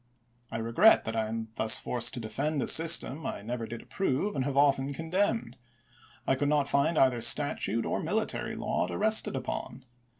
.. I regret that I am thus forced to defend a system I never did approve and have often condemned. I could not find either statute or military law to rest it upon.